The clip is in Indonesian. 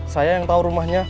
saya yang tahu rumahnya